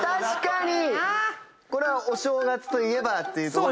確かにこれはお正月といえばっていう。